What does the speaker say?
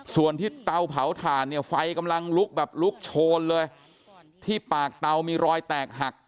ส่วนที่เตาเผาถ่านเนี่ยไฟกำลังลุกแบบลุกโชนเลยที่ปากเตามีรอยแตกหัก